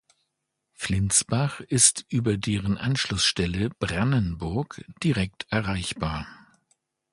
Flintsbach ist über deren Anschlussstelle "Brannenburg" direkt erreichbar.